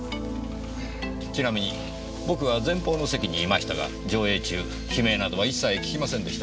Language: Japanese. ちなみに僕は前方の席にいましたが上映中悲鳴などは一切聞きませんでした。